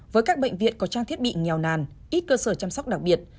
với các bệnh viện có trang thiết bị nghèo nàn ít cơ sở chăm sóc đặc biệt